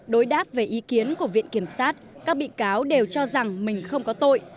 đối đáp về ý kiến của viện kiểm sát các bị cáo đều cho rằng mình không có tội